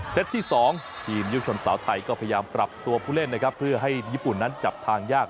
ที่๒ทีมยุคชนสาวไทยก็พยายามปรับตัวผู้เล่นนะครับเพื่อให้ญี่ปุ่นนั้นจับทางยาก